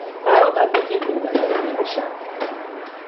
برآمد یکی بومهن نیمه شب